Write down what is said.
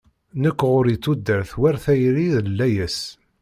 Nekk ɣur-i tudert war tayri d layas.